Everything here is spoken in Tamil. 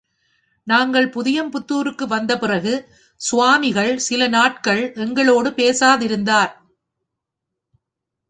நாங்கள் புதியம்புத்துருக்கு வந்த பிறகு, சுவாமிகள் சில நாட்கள் எங்களோடு பேசாதிருந்தார்.